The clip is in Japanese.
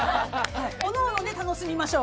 おのおので楽しみましょう。